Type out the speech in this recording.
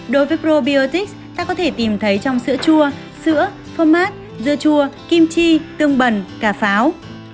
đối với probiotics ta có thể tìm thấy trong sữa chua sữa phô mát dưa chua kimchi tương bẩn cà pháo